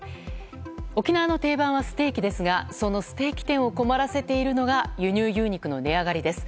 沖縄の定番はステーキですがそのステーキ店を困らせているのが輸入牛肉の値上がりです。